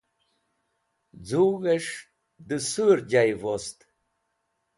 Z̃ug̃hẽs̃h dẽ sur jayev wost.